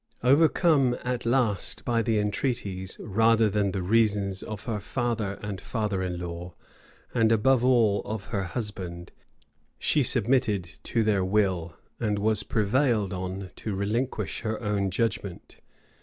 Overcome at last by the entreaties, rather than the reasons, of her father and father in law, and above all of her husband, she submitted to their will, and was prevailed on to relinquish her own judgment.